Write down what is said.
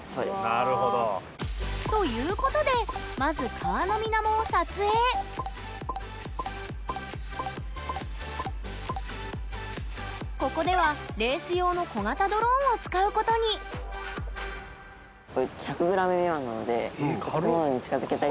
なるほど。ということでまず川の水面を撮影ここではレース用の小型ドローンを使うことにあ